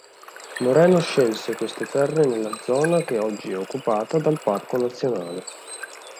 Moreno scelse queste terre nella zona che oggi è occupata dal parco nazionale.